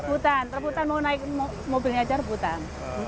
hutan rebutan mau naik mobilnya aja rebutan